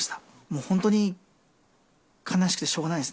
もう本当に悲しくてしょうがない